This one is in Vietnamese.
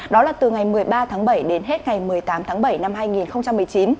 đó là từ ngày một mươi ba tháng bảy đến hết ngày một mươi tám tháng bảy năm hai nghìn một mươi chín